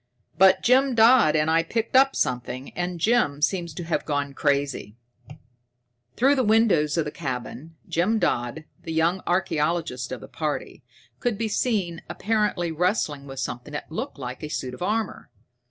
"But Jim Dodd and I picked up something, and Jim seems to have gone crazy." Through the windows of the cabin, Jim Dodd, the young archaeologist of the party, could be seen apparently wrestling with something that looked like a suit of armor.